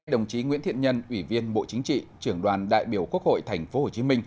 đồng chí nguyễn thiện nhân ủy viên bộ chính trị trưởng đoàn đại biểu quốc hội tp hcm